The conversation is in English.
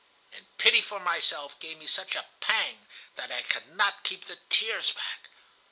And pity for myself gave me such a pang that I could not keep the tears back.